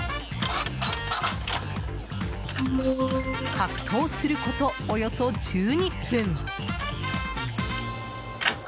格闘すること、およそ１２分。